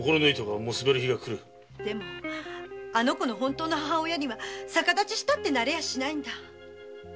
でもあの子の本当の母親には逆立ちしたってなれやしないんだ。